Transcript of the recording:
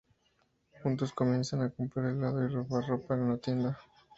Juntos comienzan a comprar helado y robar ropa en una tienda.